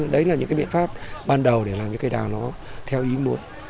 đấy là những biện pháp ban đầu để làm cây đào theo ý mụn